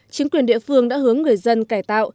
chính quyền địa phương đã hướng người dân cải tạo